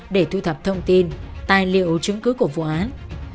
để thu thập thông tin tài liệu chứng cứ của vụ án